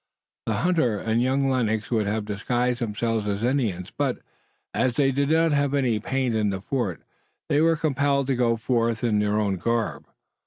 The hunter and young Lennox would have disguised themselves as Indians, but as they did not have any paint in the fort they were compelled to go forth in their own garb.